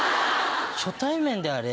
初対面であれ？